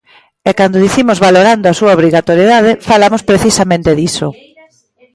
E cando dicimos valorando a súa obrigatoriedade falamos precisamente diso.